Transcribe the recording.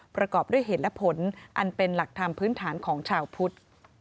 ประกอบด้วยเหตุและผลอันเป็นหลักธรรมพื้นฐานของชาวพุทธ